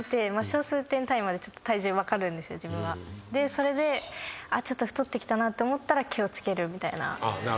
それでちょっと太ってきたなって思ったら気を付けるみたいな。